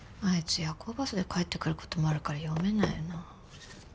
あいつ夜行バスで帰ってくることもあるから読めないよな。